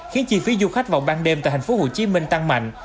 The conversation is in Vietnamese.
khiến chi phí du khách vào ban đêm tại tp hcm tăng mạnh